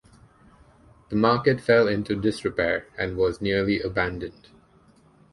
The market fell into disrepair, and was nearly abandoned.